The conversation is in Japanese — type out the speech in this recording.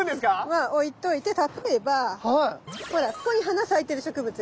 まあ置いといて例えばほらここに花咲いてる植物がいる。